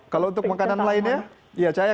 kalau untuk makanan lainnya